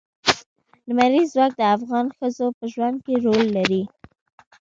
لمریز ځواک د افغان ښځو په ژوند کې رول لري.